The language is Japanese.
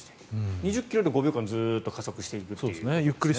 ２０ｋｍで５秒間ずっと加速していくっていう。